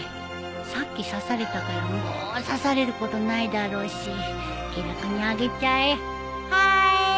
さっき指されたからもう指されることないだろうし気楽に挙げちゃえはーい！